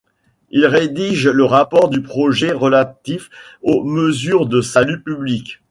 Il rédige le rapport du projet relatif aux mesures de salut public.